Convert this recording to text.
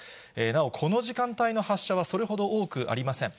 なお、この時間帯の発射はそれほど多くありません。